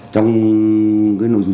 trong cái nội dung